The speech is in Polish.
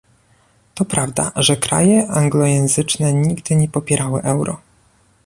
To prawda, że kraje anglojęzyczne nigdy nie popierały euro